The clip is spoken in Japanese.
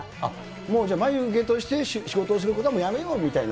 もう眉毛として仕事をすることはもうやめようみたいな。